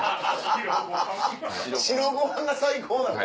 白ご飯が最高なの？